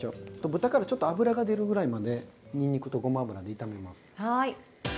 豚からちょっと油が出るぐらいまで、にんにくとごま油で炒めます。